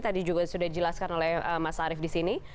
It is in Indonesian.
tadi juga sudah dijelaskan oleh mas arief di sini